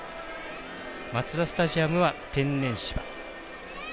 マツダスタジアムは天然芝。